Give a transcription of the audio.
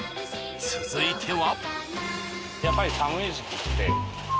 続いては。